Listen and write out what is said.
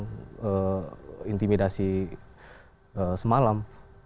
dengan intimidasi semalam